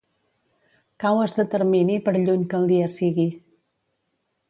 Cau es determini per lluny que el dia sigui.